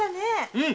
うん！